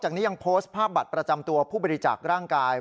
นี้ยังโพสต์ภาพบัตรประจำตัวผู้บริจาคร่างกาย